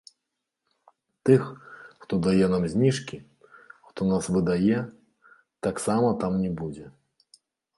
Тых, хто дае нам зніжкі, хто нас выдае, таксама там не будзе.